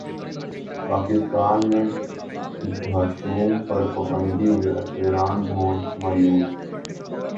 پاکستان میں ڈھشوم پر پابندی ورن دھون مایوس